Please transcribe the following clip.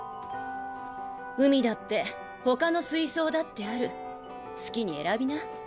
海だってほかの水槽だってある好きに選びな。